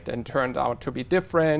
các thử nghiệm